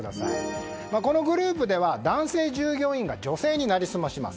このグループでは男性従業員が女性に成り済まします。